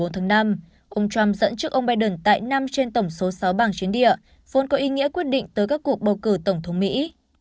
tháng năm ông trump dẫn trước ông biden tại năm trên tổng số sáu bảng chiến địa vốn có ý nghĩa quyết định tới các cuộc bầu cử tổng thống mỹ